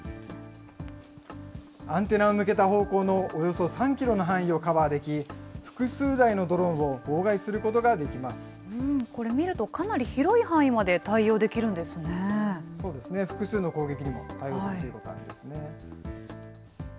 アンテナを向けた方向のおよそ３キロの範囲をカバーでき、複数台のドローンを妨害することができこれ、見るとかなり広い範囲そうですね、複数の攻撃にも対応するということなんですね。